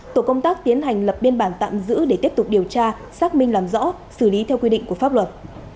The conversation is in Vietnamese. tổ công tác tiến hành lập biên bản tạm giữ để tiếp tục điều tra xác minh làm rõ xử lý theo quy định của pháp luật